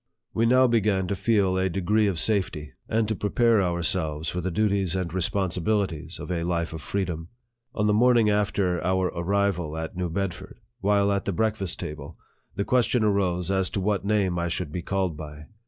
We now began to feel a degree of safety, and to prepare ourselves for the duties and responsibilities of a life of freedom. On the morning after our arrival at New Bedford, while at the breakfast table, the question arose as to what name I should be called by.